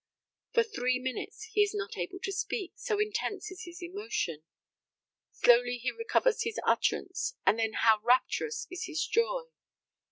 For three minutes he is not able to speak, so intense is his emotion. Slowly he recovers his utterance, and then how rapturous is his joy!